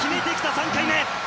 ３回目。